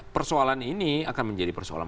persoalan ini akan menjadi persoalan